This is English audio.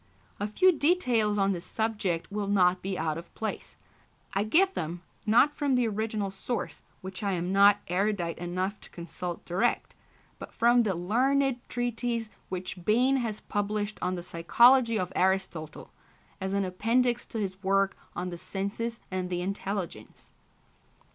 A few details on this subject will not be out of place. I give them, not from the original source, which I am not erudite enough to consult direct, but from the learned treatise which Bain has published on the psychology of Aristotle, as an appendix to his work on the Senses and the Intelligence.